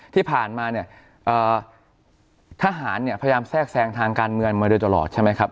ที่ผ่านมาเนี่ยทหารเนี่ยพยายามแทรกแทรงทางการเมืองมาโดยตลอดใช่ไหมครับ